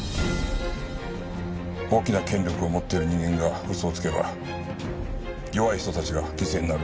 大きな権力を持っている人間が嘘をつけば弱い人たちが犠牲になる。